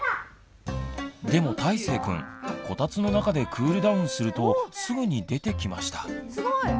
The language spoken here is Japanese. でもたいせいくんこたつの中でクールダウンするとすぐに出てきました。